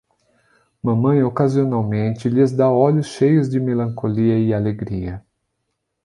Mamãe ocasionalmente lhes dá olhos cheios de melancolia e alegria.